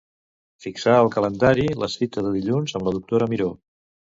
Fixar al calendari la cita de dilluns amb la doctora Miró.